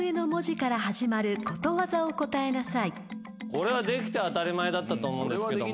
これはできて当たり前だったと思うんですけども。